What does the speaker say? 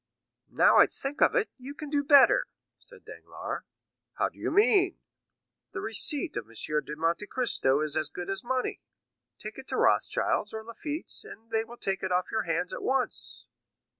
"Now I think of it, you can do better," said Danglars. "How do you mean?" "The receipt of M. de Monte Cristo is as good as money; take it to Rothschild's or Lafitte's, and they will take it off your hands at once."